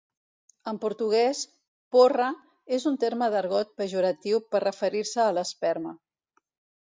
En portuguès, "Porra" és un terme d'argot pejoratiu per referir-se a l'esperma.